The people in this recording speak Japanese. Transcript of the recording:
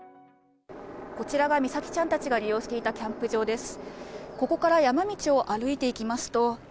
こちらが美咲ちゃんたちが利用していたキャンプ場です。